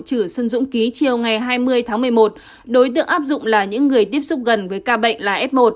chử xuân dũng ký chiều ngày hai mươi tháng một mươi một đối tượng áp dụng là những người tiếp xúc gần với ca bệnh là f một